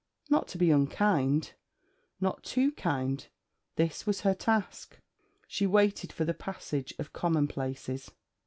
Not to be unkind, not too kind: this was her task. She waited for the passage of commonplaces.